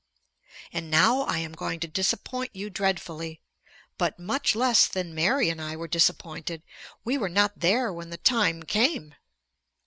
And now I am going to disappoint you dreadfully. But much less than Mary and I were disappointed. We were not there when the time came!